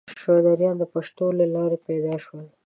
شودرایان د پښو له لارې پیدا شول.